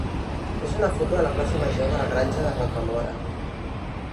és una foto de la plaça major de la Granja de Rocamora.